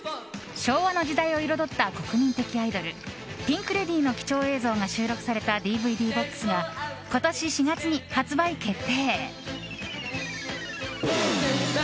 昭和の時代を彩った国民的アイドルピンク・レディーの貴重映像が収録されたＤＶＤボックスが今年４月に発売決定。